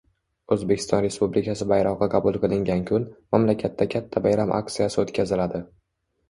O'zbekiston Respublikasi bayrog'i qabul qilingan kun, mamlakatda katta bayram aksiyasi o'tkaziladi